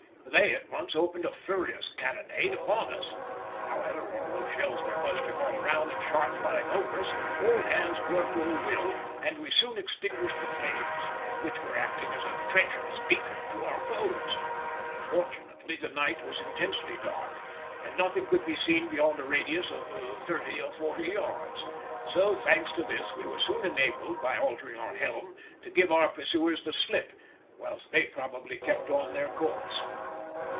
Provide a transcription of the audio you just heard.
They at once opened a furious cannonade upon us; however, although shells were bursting all around and shot flying over us, all hands worked with a will, and we soon extinguished the flames, which were acting as a treacherous beacon to our foes. Fortunately the night was intensely dark, and nothing could be seen beyond a radius of thirty or forty yards, so, thanks to this, we were soon enabled, by altering our helm, to give our pursuers the slip, whilst they probably kept on their course.